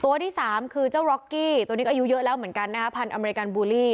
ตัวที่สามคือเจ้าร็อกกี้ตัวนี้ก็อายุเยอะแล้วเหมือนกันนะคะพันธุ์อเมริกันบูลลี่